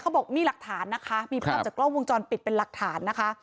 บอกมีหลักฐานนะคะมีภาพจากกล้องวงจรปิดเป็นหลักฐานนะคะ